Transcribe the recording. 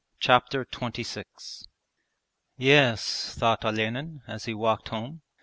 Chapter XXVI 'Yes,' thought Olenin, as he walked home.